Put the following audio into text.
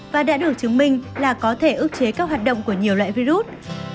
và đã được chứng minh là có thể ước chế các hoạt động của nhiều loại virus